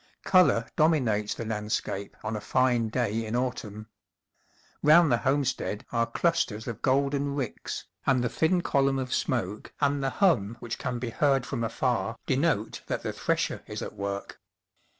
Colour dominates the landscape on a fine day in autumn. Round the homestead are clusters of golden ricks, and the thin column of smoke and the hum which can be heard from afar THE COMING OF AUTUMN 109 denote that the thresher is at work.